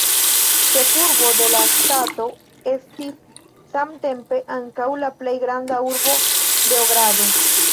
Ĉefurbo de la ŝtato estis samtempe ankaŭ la plej granda urbo Beogrado.